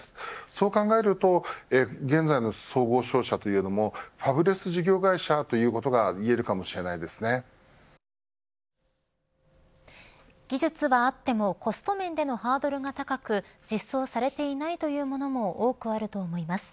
そう考えると現在の総合商社というのもファブレス事業会社ということが技術はあってもコスト面でのハードルが高く実装されていないというものも多くあると思います。